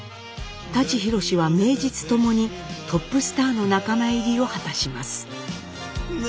舘ひろしは名実ともにトップスターの仲間入りを果たします。